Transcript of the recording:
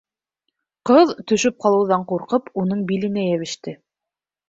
Ҡыҙ, төшөп ҡалыуҙан ҡурҡып, уның биленә йәбеште.